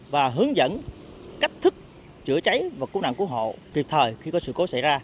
và hướng dẫn cách thức chữa cháy và cứu nạn cứu hộ kịp thời khi có sự cố xảy ra